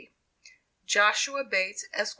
JOSHUA BATES ESQ.